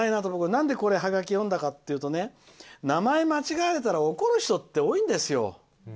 なんで、このハガキ僕が読んだかっていうと名前間違われたら怒る人って多いんですよ。